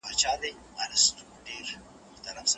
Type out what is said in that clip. د جهالت په تاریکیو کي ویده وروڼه دي